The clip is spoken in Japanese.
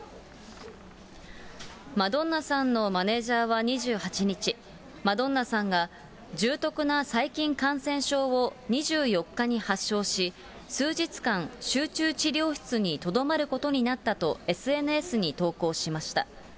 マドンナさんのマネージャーは２８日、マドンナさんが重篤な細菌感染症を２４日に発症し、数日間、集中治療室にとどまることになったとＳＮＳに投稿しました。